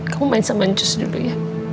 kamu main main jus dulu ya